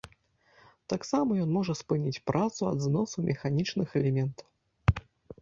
Таксама ён можа спыніць працу ад зносу механічных элементаў.